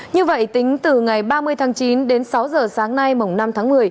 như vậy tính từ ngày ba mươi tháng chín đến sáu giờ sáng nay mùng năm tháng một mươi